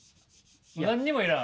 何にも要らん。